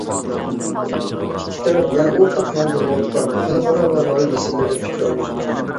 ئىككى تەرەپ يەنە ئورتاق كۆڭۈل بۆلۈۋاتقان خەلقئارا ۋە رايون مەسىلىلىرىدە پىكىر ئالماشتۇردى.